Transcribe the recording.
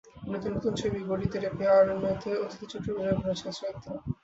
পুনিতের নতুন ছবি গোরি তেরে পেয়্যার মেতে অতিথি চরিত্রে অভিনয় করেছেন শ্রদ্ধা।